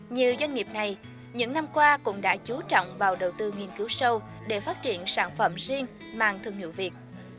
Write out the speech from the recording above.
như doanh nghiệp này những năm qua cũng đã chú trọng vào đầu tư nghiên cứu sâu để phát triển sản phẩm riêng mang thương hiệu việt